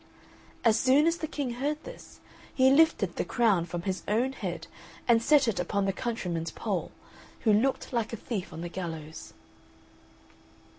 As soon as the King heard this, he lifted the crown from his own head and set it upon the countryman's poll, who looked like a thief on the gallows.